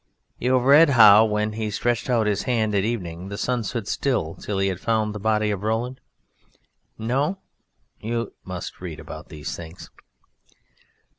You have read how, when he stretched out his hand at evening, the sun stood still till he had found the body of Roland? No? You must read about these things.